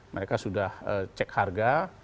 mereka sudah cek harga